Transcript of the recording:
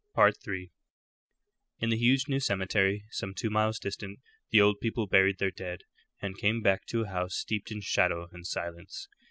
III. In the huge new cemetery, some two miles distant, the old people buried their dead, and came back to a house steeped in shadow and silence.